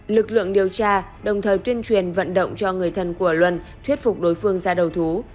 lực lượng điều tra đồng thời tuyên truyền vận động cho người thân của luân thuyết phục đối phương ra đầu thú